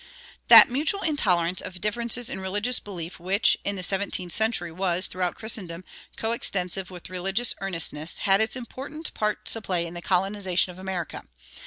That mutual intolerance of differences in religious belief which, in the seventeenth century, was, throughout Christendom, coextensive with religious earnestness had its important part to play in the colonization of America.